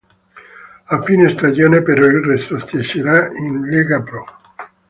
A fine stagione però il retrocederà in Lega Pro.